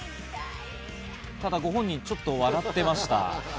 ただ、ご本人、ちょっと笑ってました。